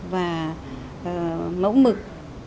và mẫu mực